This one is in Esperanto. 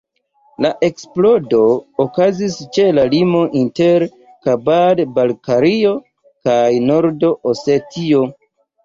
La eksplodo okazis ĉe la limo inter Kabard-Balkario kaj Nord-Osetio.